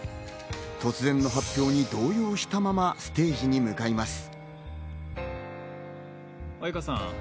突然の発表に動揺したままステージに向かいます。